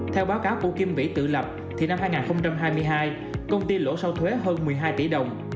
theo báo cáo của kim vĩ tự lập thì năm hai nghìn hai mươi hai công ty lỗ sau thuế hơn một mươi hai tỷ đồng